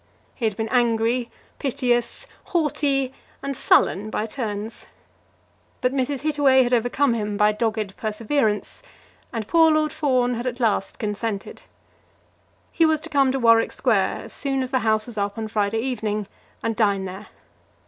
He had been angry, piteous, haughty, and sullen by turns; but Mrs. Hittaway had overcome him by dogged perseverance; and poor Lord Fawn had at last consented. He was to come to Warwick Square as soon as the House was up on Friday evening, and dine there.